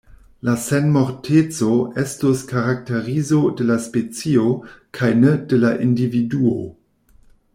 La senmorteco estus karakterizo de la specio kaj ne de la individuo.